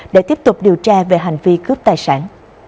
để tiếp tục điều tra về hành vi cướp tài sản